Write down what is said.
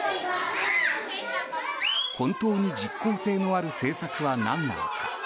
本当に実効性のある政策は何なのか。